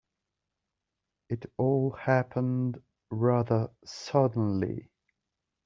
It all happened rather suddenly.